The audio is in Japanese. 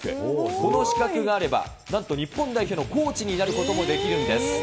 この資格があれば、なんと日本代表のコーチになることもできるんです。